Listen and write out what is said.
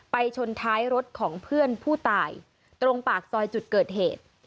ชนท้ายรถของเพื่อนผู้ตายตรงปากซอยจุดเกิดเหตุ